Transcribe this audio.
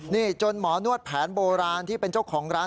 นี่จนหมอนวดแผนโบราณที่เป็นเจ้าของร้าน